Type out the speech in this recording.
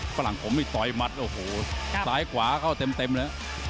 ฝรั่งผมนี่ต่อยมัดโอ้โหซ้ายขวาเข้าเต็มเลย